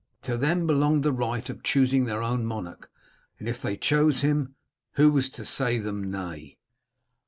To them belonged the right of choosing their own monarch, and if they chose him, who was to say them nay?